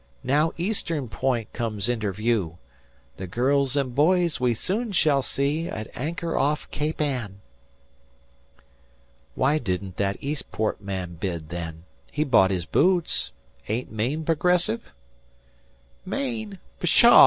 Now Eastern Point comes inter view. The girls an' boys we soon shall see, At anchor off Cape Ann!" "Why didn't that Eastport man bid, then? He bought his boots. Ain't Maine progressive?" "Maine? Pshaw!